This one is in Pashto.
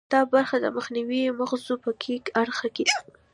دا برخه د مخنیو مغزو په کیڼ اړخ کې ده